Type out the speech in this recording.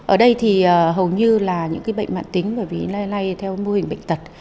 ở đây thì hầu như là những cái bệnh mạng tính bởi vì nay nay theo mô hình bệnh tật